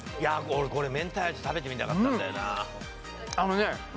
俺明太味食べてみたかったんだよな